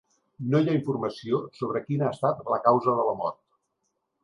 No hi ha informació sobre quina ha estat la causa de la mort.